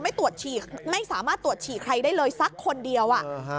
ไม่สามารถตรวจฉีกใครได้เลยสักคนเดียว